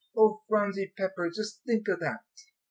Oh, Phronsie Pepper, just think of that."